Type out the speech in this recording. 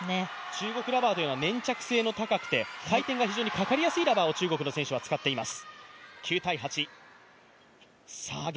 中国ラバーというのは粘着性が高くて回転がかかりやすいラバーを中国の選手は使っています。